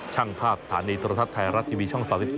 ช่างภาพสถานีโทรทัศน์ไทยรัฐทีวีช่อง๓๒